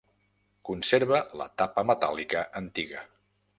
Conserva la tapa metàl·lica antiga.